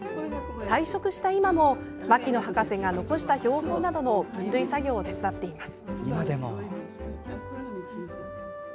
退職した今も牧野博士が残した標本などの分類作業を手伝っています。